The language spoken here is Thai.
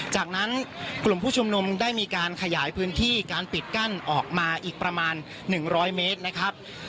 จากนั้นกลุ่มผู้ชุมนุมได้มีการขยายพื้นที่การปิดกั้นออกมาอีกประมาณ๑๐๐เมตรนะครับ